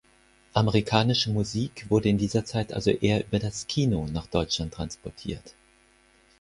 Amerikanische Musik wurde in dieser Zeit also eher über das Kino nach Deutschland transportiert.